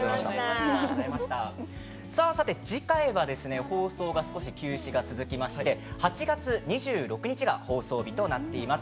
次回は少し休止が続きまして８月２６日が放送日となっています。